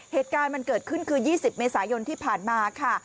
เหตุการณ์มันเกิดขึ้นคือ๒๐เมษายนที่ผ่านมาค่ะ